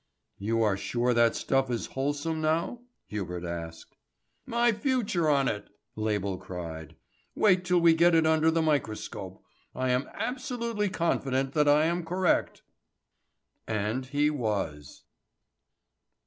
"You are sure that stuff is wholesome, now?" Hubert asked. "My future on it," Label cried. "Wait till we get it under the microscope. I am absolutely confident that I am correct." And he was.